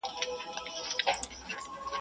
o جنگ په وسله، ننگ په غله.